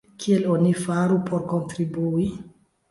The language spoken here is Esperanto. Kiel oni faru por kontribui?